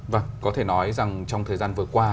vâng có thể nói rằng trong thời gian vừa qua